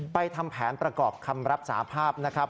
ทำแผนประกอบคำรับสาภาพนะครับ